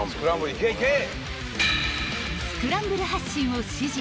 ［スクランブル発進を指示］